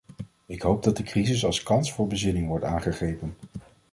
Ik hoop dat de crisis als kans voor bezinning wordt aangegrepen.